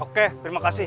oke terima kasih